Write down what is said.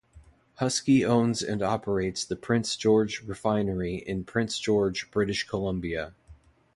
Husky owns and operates the Prince George Refinery in Prince George, British Columbia.